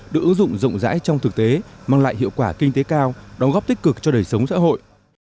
được ứng dụng rộng rãi trong thực tế mang lại hiệu quả kinh tế cao đóng góp tích cực cho đời sống xã hội